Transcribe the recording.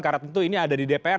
karena tentu ini ada di dpr